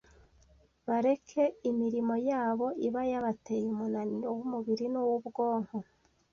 bareke imirimo yabo iba yabateye umunaniro w’umubiri n’uw’ubwonko,